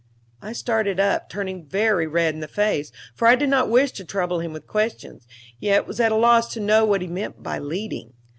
I started up, turning very red in the face, for I did not wish to trouble him with questions, yet was at a loss to know what he meant by leading.